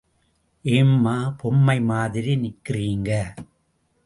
ஏம்மா பொம்மை மாதிரி நிற்கிறீங்க?